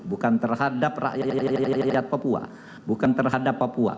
bukan terhadap rakyat papua bukan terhadap papua